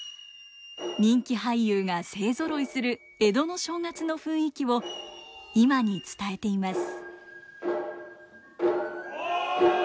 人気俳優が勢ぞろいする江戸の正月の雰囲気を今に伝えています。